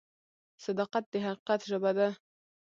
صداقت د حقیقت ژبه ده.